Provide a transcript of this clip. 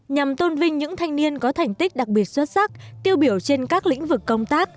nhằm tôn vinh những thanh niên có thành tích đặc biệt xuất sắc tiêu biểu trên các lĩnh vực công tác